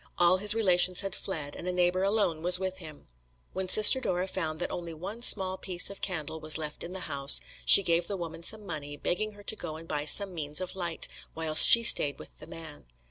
All his relations had fled, and a neighbour alone was with him. When Sister Dora found that only one small piece of candle was left in the house, she gave the woman some money, begging her to go and buy some means of light whilst she stayed with the man.